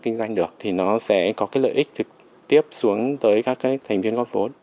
kinh doanh được thì nó sẽ có cái lợi ích trực tiếp xuống tới các cái thành viên góp vốn